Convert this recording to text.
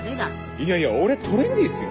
いやいや俺トレンディーっすよ。